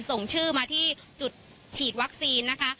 ส่งชื่อมาที่จุดฉีดวัคซีนนะคะ